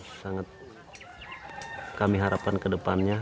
itu sangat kami harapkan ke depannya